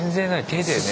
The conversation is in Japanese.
手でね。